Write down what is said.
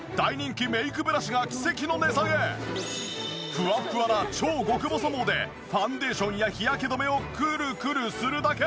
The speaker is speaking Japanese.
フワフワな超極細毛でファンデーションや日焼け止めをくるくるするだけ！